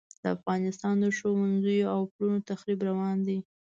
د افغانستان د ښوونځیو او پلونو تخریب روان دی.